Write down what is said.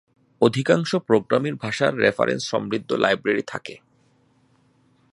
অধিকাংশ প্রোগ্রামিং ভাষার রেফারেন্স সমৃদ্ধ লাইব্রেরী থাকে।